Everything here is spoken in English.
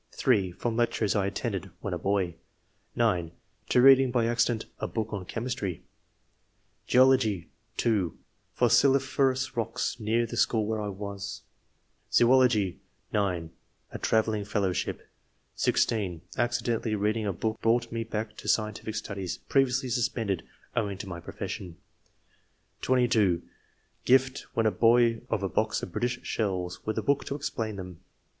(3) From lectures I attended when a boy. (9) To reading by acci dent a book on chemistry. Geology. — (2) Fossiliferous rocks near the school where I was. III.] ORIGIN OF TASTE FOB SCIENCE. 199 Zoology. — (9) A travelling fellowship. (16) Accidentally reading a book brought me back to scientific stnidies, previously suspended owing to my profession. (22) Gift, when a boy, of a box of British shells with a book to explain them.